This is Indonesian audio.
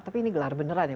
tapi ini gelar beneran ya